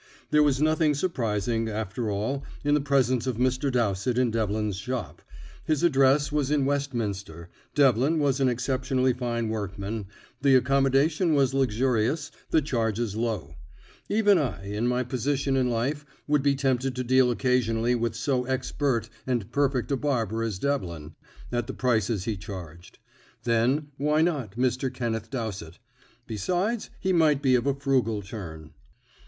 There was nothing surprising, after all, in the presence of Mr. Dowsett in Devlin's shop. His address was in Westminster, Devlin was an exceptionally fine workman, the accommodation was luxurious, the charges low. Even I, in my position in life, would be tempted to deal occasionally with so expert and perfect a barber as Devlin, at the prices he charged. Then, why not Mr. Kenneth Dowsett? Besides, he might be of a frugal turn.